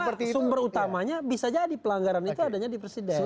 karena sumber utamanya bisa jadi pelanggaran itu adanya di presiden